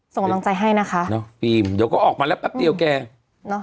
ส่งกำลังใจให้นะคะเนอะฟิล์มเดี๋ยวก็ออกมาแล้วแป๊บเดียวแกเนอะ